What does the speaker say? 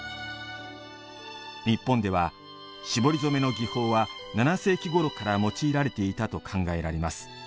日本では、絞り染めの技法は７世紀ごろから用いられていたと考えられます。